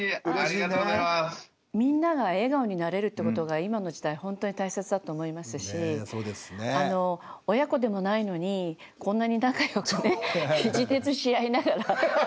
みんなが笑顔になれるってことが今の時代ホントに大切だと思いますし親子でもないのにこんなに仲良くね肘鉄しあいながら。